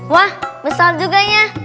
wah besar juga ya